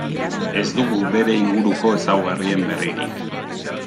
Ez dugu bere inguruko ezaugarrien berririk.